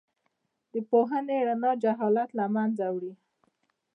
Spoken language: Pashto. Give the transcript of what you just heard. د پوهې رڼا جهالت له منځه وړي.